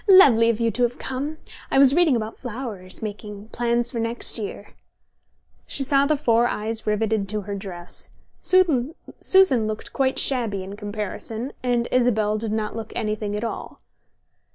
"Lovely of you to have come! I was reading about flowers, making plans for next year." She saw the four eyes riveted to her dress. Susan looked quite shabby in comparison, and Isabel did not look anything at all.